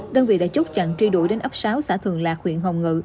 đơn vị đại chúc chặn truy đuổi đến ấp sáu xã thường lạc huyện hồng ngự